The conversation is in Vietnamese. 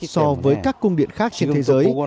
so với các cung điện khác trên thế giới